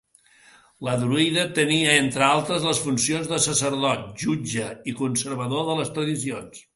El druida tenia, entre altres, les funcions de sacerdot, jutge i conservador de les tradicions.